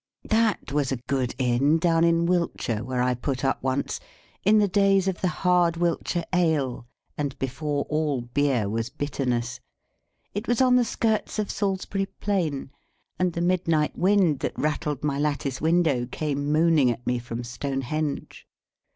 That was a good Inn down in Wiltshire where I put up once, in the days of the hard Wiltshire ale, and before all beer was bitterness. It was on the skirts of Salisbury Plain, and the midnight wind that rattled my lattice window came moaning at me from Stonehenge.